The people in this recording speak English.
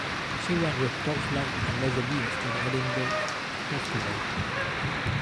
She went with Torchlight and Laser Beams to the Edinburgh Festival.